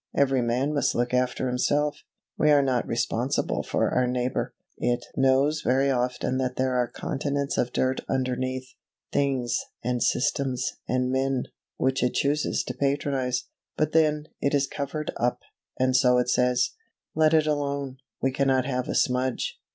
Every man must look after himself; we are not responsible for our neighbor." It knows very often that there are continents of dirt underneath "things," and "systems," and men which it chooses to patronize; but then, it is covered up, and so it says, "Let it alone; we cannot have a smudge.